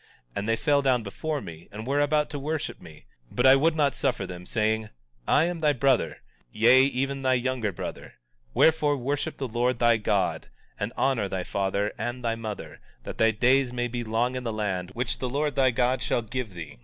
And they fell down before me, and were about to worship me, but I would not suffer them, saying: I am thy brother, yea, even thy younger brother; wherefore, worship the Lord thy God, and honor thy father and thy mother, that thy days may be long in the land which the Lord thy God shall give thee.